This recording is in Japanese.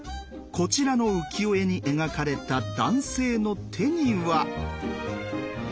こちらの浮世絵に描かれた男性の手には。